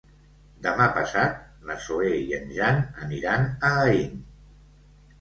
Demà passat na Zoè i en Jan aniran a Aín.